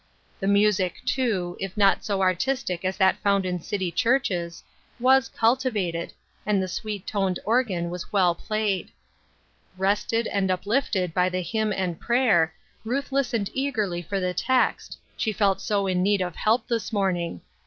The music, too, if not so artistic as that found in city churches, was cultivated, and the sweet toned organ was well played. Rested and uplifted by the hymn and prayer, Ruth listened eagerly for the text ; she felt so in need of help this morning